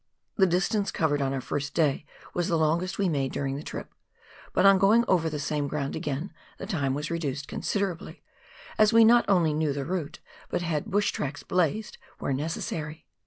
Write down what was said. The distance covered on our first day was the longest we made during the trip ; but on going over the same ground again the time was reduced considerably, as we not only knew the route, but had bush tracks " blazed " where necessary.